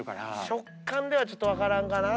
食感ではちょっと分からんかな。